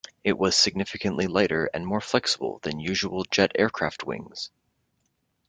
It was significantly lighter and more flexible than usual jet aircraft wings.